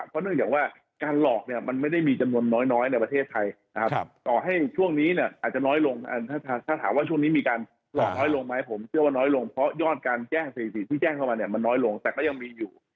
เพราะเนื่องจากว่าการหลอกเนี่ยมันไม่ได้มีจำนวนน้อยในประเทศไทยนะครับต่อให้ช่วงนี้เนี่ยอาจจะน้อยลงถ้าถามว่าช่วงนี้มีการหลอกน้อยลงไหมผมเชื่อว่าน้อยลงเพราะยอดการแจ้งสถิติที่แจ้งเข้ามาเนี่ยมันน้อยลงแต่ก็ยังมีอยู่